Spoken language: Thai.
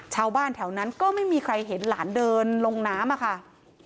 ชาวบ้านแถวนั้นก็ไม่มีใครเห็นหลานเดินลงน้ำอะค่ะ